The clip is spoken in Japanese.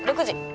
６時。